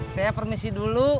saya permisi dulu